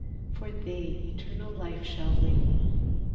For thev eternal life shall win.